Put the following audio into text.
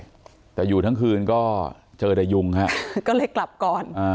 เอาไว้ด้วยแต่อยู่ทั้งคืนก็เจอได้ยุงค่ะก็เลยกลับก่อน